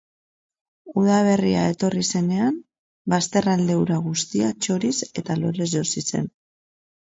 Udaberria etorri zenean, bazterralde hura guztia txoriz eta lorez josi zen.